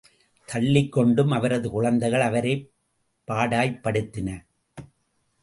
தள்ளிக் கொண்டும் அவரது குழந்தைகள், அவரை பாடாய்படுத்தின.